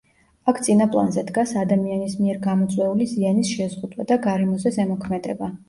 აქ წინა პლანზე დგას ადამიანის მიერ გამოწვეული ზიანის შეზღუდვა და გარემოზე ზემოქმედება.